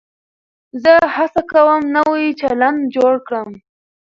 زه هڅه کوم نوی چلند جوړ کړم.